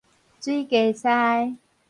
水雞師